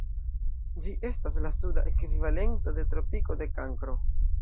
Ĝi estas la suda ekvivalento de tropiko de Kankro.